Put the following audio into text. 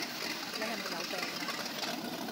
你係咪有病呀